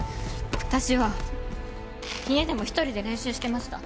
私は家でも一人で練習してました。